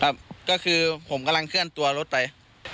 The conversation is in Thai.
ครับก็คือผมกำลังเคลื่อนตัวรถไป